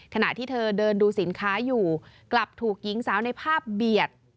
ขณะที่เธอเดินดูสินค้าอยู่กลับถูกหญิงสาวในภาพเบียด